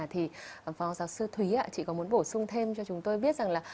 thì phó giáo sư thúy chị có muốn bổ sung thêm cho chúng tôi biết rằng là